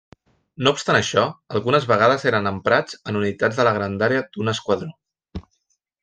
No obstant això, algunes vegades eren emprats en unitats de la grandària d'un esquadró.